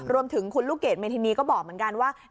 รวมถึงคุณลูกเกดเมธินีก็บอกเหมือนกันว่า